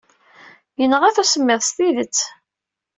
Yenɣa-t usemmiḍ s tidet.